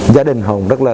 gia đình hồng rất là